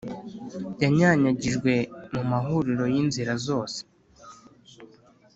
yanyanyagijwe mu mahuriro y’inzira zose!